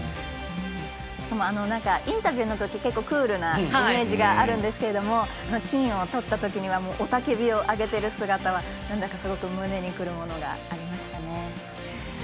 しかも、インタビューのとき結構、クールなイメージがあるんですけれども金をとったときには雄たけびを上げてる姿はすごく胸にくるものがありました。